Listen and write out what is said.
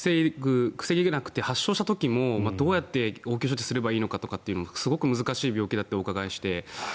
防げなくて発症した時もどうやって応急処置をしたらいいのかってすごく難しい病気だってお伺いして。